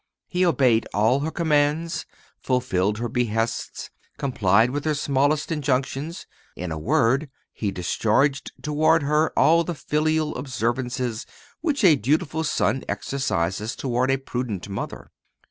He obeyed all her commands, fulfilled her behests, complied with her smallest injunctions; in a word, He discharged toward her all the filial observances which a dutiful son exercises toward a prudent mother.